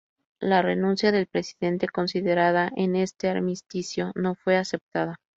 La renuncia del presidente considerada en este armisticio no fue aceptada.